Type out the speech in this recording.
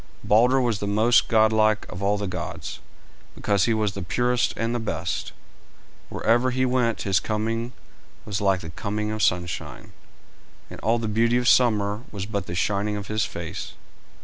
Balder was the most godlike of all the gods, because he was the purest and the best. Wherever he went his coming was like the coming of sunshine, and all the beauty of summer was but the shining of his face.